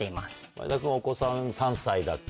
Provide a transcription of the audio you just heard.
前田君お子さん３歳だっけ？